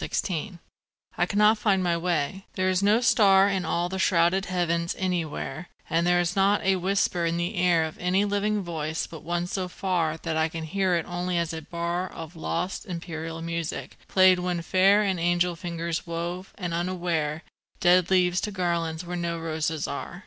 Credo I cannot find my way: there is no star In all the shrouded heavens anywhere; And there is not a whisper in the air Of any living voice but one so far That I can hear it only as a bar Of lost, imperial music, played when fair And angel fingers wove, and unaware, Dead leaves to garlands where no roses are.